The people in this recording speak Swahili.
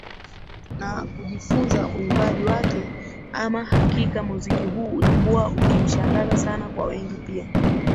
na kujifunza uimbaji wake Ama hakika muziki huu ulikuwa ukinishangaza sana Kwa wengi pia